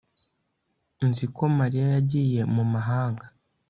Nzi ko Mariya yagiye mu mahanga